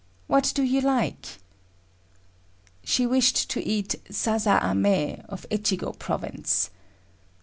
What do you like?" She wished to eat "sasa ame" of Echigo province.